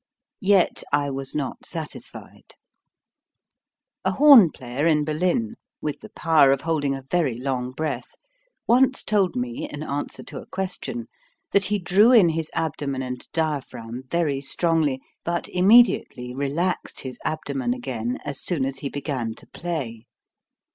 Yet I was not satisfied. OF THE BREATH 25 A horn player in Berlin with the power of holding a very long breath, once told me in answer to a question, that he drew in his abdomen and diaphragm very strongly, but immediately relaxed his abdomen again as soon as he began to play.